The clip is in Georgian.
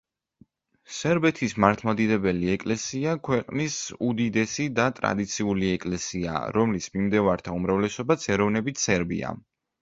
სერბეთის მართლმადიდებელი ეკლესია ქვეყნის უდიდესი და ტრადიციული ეკლესიაა, რომლის მიმდევართა უმრავლესობაც ეროვნებით სერბია.